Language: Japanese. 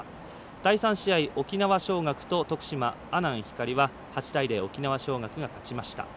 第３試合沖縄尚学と徳島、阿南光は８対０、沖縄尚学が勝ちました。